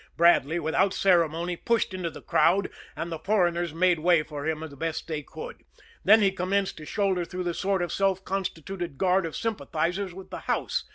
Bradley, without ceremony, pushed into the crowd, and the foreigners made way for him the best they could. Then he commenced to shoulder through the sort of self constituted guard of sympathizers with the house.